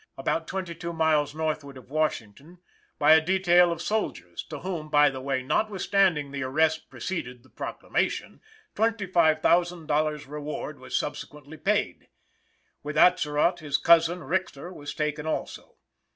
about twenty two miles northward of Washington, by a detail of soldiers, to whom, by the way, notwithstanding the arrest preceded the proclamation, $25,000 reward was subsequently paid. With Atzerodt his cousin, Richter, was taken also.